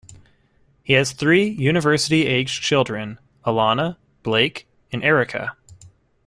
He has three university-aged children, Alana, Blake, and Erica.